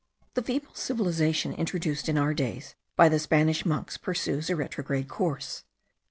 The feeble civilization introduced in our days by the Spanish monks pursues a retrograde course.